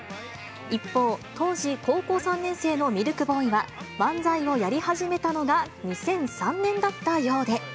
一方、当時、高校３年生のミルクボーイは、漫才をやり始めたのが２００３年だったようで。